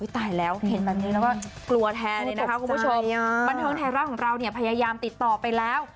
ตายแล้วเห็นแบบนี้แล้วก็กลัวแทนเลยนะคะคุณผู้ชมบันเทิงไทยรัฐของเราเนี่ยพยายามติดต่อไปแล้ว